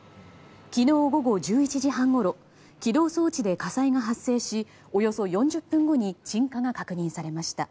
昨日午後１１時半ごろ起動装置で火災が発生しおよそ４０分後に鎮火が確認されました。